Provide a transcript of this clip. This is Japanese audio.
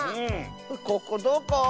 ここどこ？